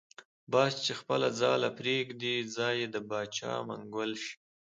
باز چی خپله ځاله پریږدی ځای یی دباچا منګول شی .